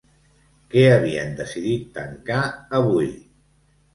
Què havien decidit tancar avui?